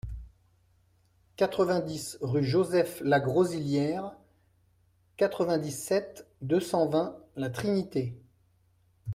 quatre-vingt-dix rue Joseph Lagrosilliere, quatre-vingt-dix-sept, deux cent vingt, La Trinité